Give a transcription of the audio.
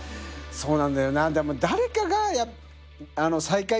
そうなんだよ。